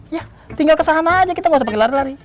yah tinggal kesahan aja kita gak usah pake lari lari